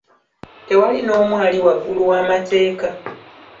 Tewali n'omu ali waggulu w'amateeka.